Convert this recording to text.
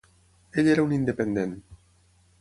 Ell era un independent.